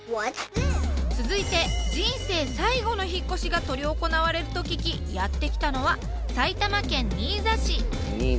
続いて人生最後の引っ越しが執り行われると聞きやって来たのは埼玉県新座市。